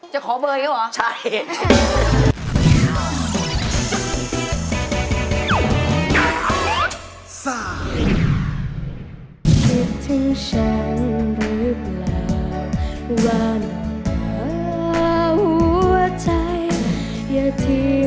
ขอเบอร์อย่างนี้เหรอใช่